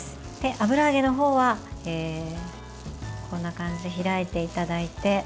油揚げの方はこんな感じで開いていただいて。